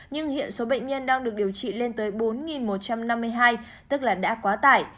nhưng hiện số bệnh nhân đang được điều trị lên tới bốn một trăm năm mươi hai tức là đã quá tải